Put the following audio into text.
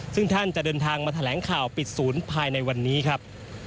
ซึ่งท่านจะเดินทางมาแถลงข่าวปิดศูนย์ภายในวันนี้ครับ